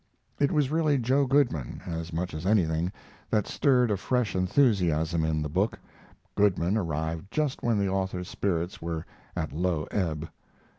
It was really Joe Goodman, as much as anything, that stirred a fresh enthusiasm in the new book. Goodman arrived just when the author's spirits were at low ebb.